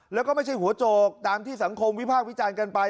แล้วก็ไม่ใช่หัวโจกตามที่สังคมวิพากษ์วิจารณ์กันไป